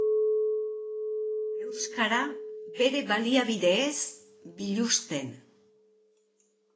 Euskara bere baliabideez biluzten.